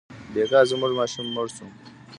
بېګا زموږ ماشوم مړ شو.